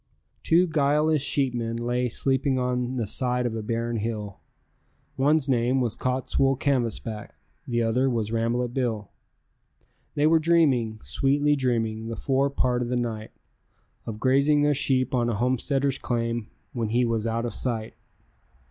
Two guileless sheepmen lay sleeping on the side of a barren hill, One's name was Cottswool Canvasback, the other was Rambolet Bill. They were dreaming, sweetly dreaming, the fore part of the night Of grazing their sheep on a homesteader's claim when he was out of sight.